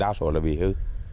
đa số là bị hư